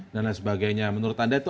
dan lain sebagainya menurut anda itu